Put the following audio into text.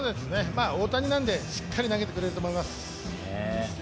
大谷なのでしっかり投げてくれると思います。